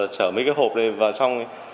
trở mấy cái hộp này vào trong